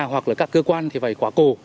hoặc là các cơ quan phải khóa cổ